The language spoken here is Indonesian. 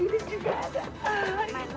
ini bunga buat kamu